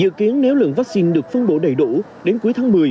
dự kiến nếu lượng vaccine được phân bổ đầy đủ đến cuối tháng một mươi